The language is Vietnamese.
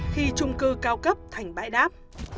khi trung cư cao cấp thành bãi đáp